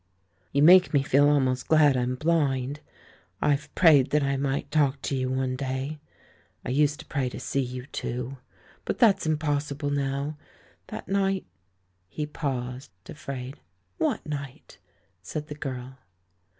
"You make me feel almost glad I'm blind. — I've prayed that I might talk to you one day. I used to pray to see you, too. But that's impos sible now. That night " He paused, afraid. "What night?" said the girl.